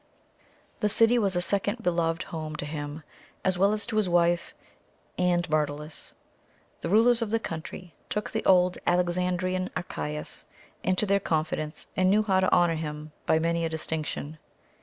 The city was a second beloved home to him, as well as to his wife and Myrtilus. The rulers of the country took the old Alexandrian Archias into their confidence and knew how to honour him by many a distinction.